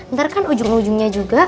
ntar kan ujung ujungnya juga